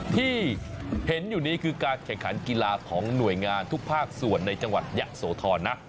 ที่เห็นอยู่นี้คือการแข่งขันกีฬาของหน่วยงานทุกภาคส่วนในจังหวัดยะโสธรนะ